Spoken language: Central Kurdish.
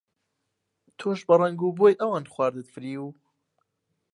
تۆش بە ڕەنگ و بۆی ئەوان خواردت فریو؟